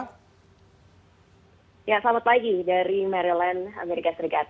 selamat pagi dari maryland amerika serikat